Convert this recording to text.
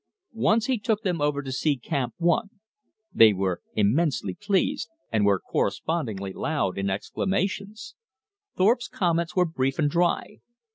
Once he took them over to see Camp One. They were immensely pleased, and were correspondingly loud in exclamations. Thorpe's comments were brief and dry.